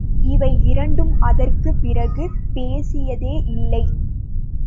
இவை இரண்டும் அதற்குப் பிறகு பேசியதே இல்லை.